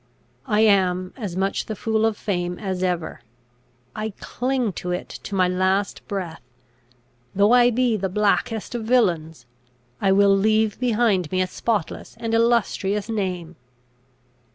I am as much the fool of fame as ever. I cling to it to my last breath. Though I be the blackest of villains, I will leave behind me a spotless and illustrious name.